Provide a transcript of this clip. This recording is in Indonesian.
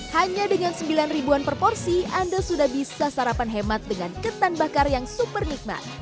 hanya dengan sembilan ribuan per porsi anda sudah bisa sarapan hemat dengan ketan bakar yang super nikmat